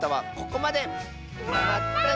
まったね！